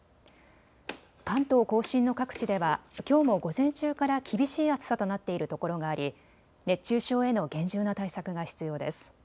関東甲信の各地ではきょうも午前中から厳しい暑さとなっているところがあり熱中症への厳重な対策が必要です。